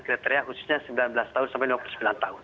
kriteria khususnya sembilan belas tahun sampai dua puluh sembilan tahun